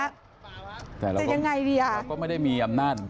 แต่เราก็ไม่ได้มีอำนาจไปจับกลุ่มเขานะใช่ไหมครับแต่เราก็ไม่ได้มีอำนาจ